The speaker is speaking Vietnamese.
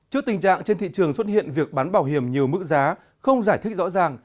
trước tình trạng trên thị trường xuất hiện việc bán bảo hiểm nhiều mức giá không giải thích rõ ràng